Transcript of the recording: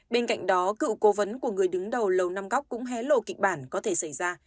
bên cạnh đó cựu cố vấn của người đứng đầu lầu năm góc cũng hé lộ kịch bản có thể xảy ra